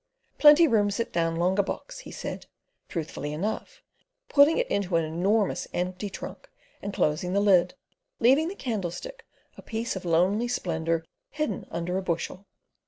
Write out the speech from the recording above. "Plenty room sit down longa box," he said, truthfully enough, putting it into an enormous empty trunk and closing the lid, leaving the candlestick a piece of lonely splendour hidden under a bushel.